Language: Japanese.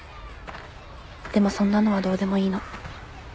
でもそんなのはどうでもいいの